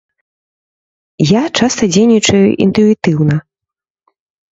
Я часта дзейнічаю інтуітыўна.